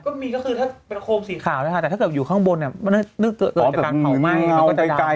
ก็มีก็คือถ้าเป็นโครมสีขาวนะคะ